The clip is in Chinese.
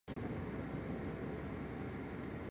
近蕨嵩草为莎草科嵩草属下的一个变种。